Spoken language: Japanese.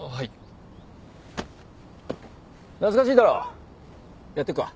懐かしいだろやってくか？